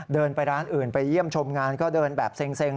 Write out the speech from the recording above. เดินไปร้านอื่นไปเยี่ยมชมงานก็เดินแบบเซ็ง